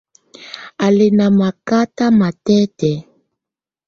Á lɛ́ ná lakata matɛ́tɛ̀á.